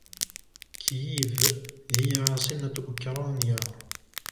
كييف هي عاصمة أوكرانيا.